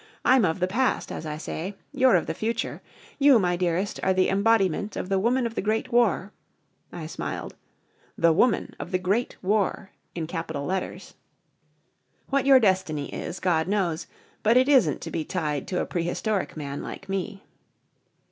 I'm of the past, as I say. You're of the future. You, my dearest, are the embodiment of the woman of the Great War " I smiled "The Woman of the Great War in capital letters. What your destiny is, God knows. But it isn't to be tied to a Prehistoric Man like me."